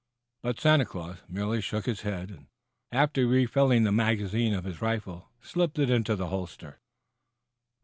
But Santa Claus merely shook his head, and after refilling the magazine of his rifle slipped it into the holster.